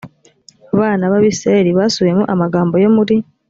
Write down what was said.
bana b abisirayeli basubiyemo amagambo yo muri